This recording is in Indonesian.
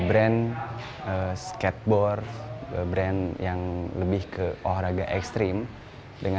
bagaimana rasanya bagaimana ya